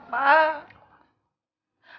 tetep ya ya tapi tetep aja papa